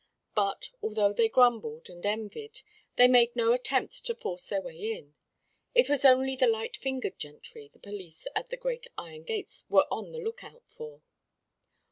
But, although, they grumbled and envied, they made no attempt to force their way in; it was only the light fingered gentry the police at the great iron gates were on the lookout for.